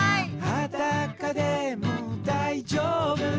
「はだかでもだいじょうぶ！」